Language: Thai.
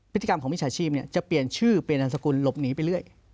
พฤติกรรมของมิจฉาชีพจะเปลี่ยนชื่อเปลี่ยนนามสกุลหลบหนีไปเรื่อย